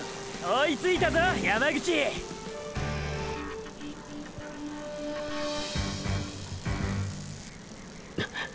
⁉追いついたぞ山口！！っ！